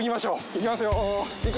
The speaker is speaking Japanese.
行きますよって。